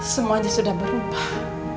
semua aja sudah berubah